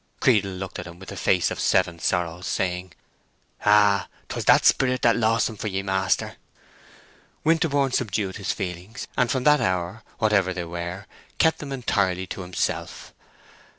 Creedle looked at him with a face of seven sorrows, saying, "Ah, 'twas that sperrit that lost 'em for ye, maister!" Winterborne subdued his feelings, and from that hour, whatever they were, kept them entirely to himself.